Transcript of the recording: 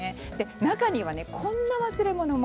中にはこんな忘れ物も。